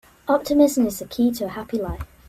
Optimism is the key to a happy life.